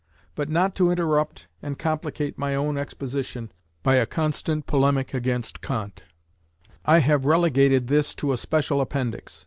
But not to interrupt and complicate my own exposition by a constant polemic against Kant, I have relegated this to a special appendix.